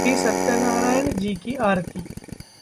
श्री सत्यनारायणजी की आरती